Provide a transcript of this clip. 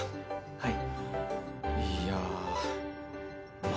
はい。